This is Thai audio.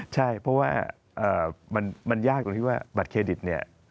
ใช่เพราะว่ามันยากตรงที่ว่าบัตรเครดิตเนี่ย